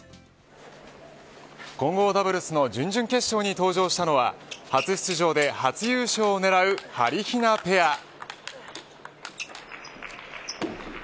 混合ダブルスの準々決勝に登場したのは初出場で初優勝を狙うはりひなペア。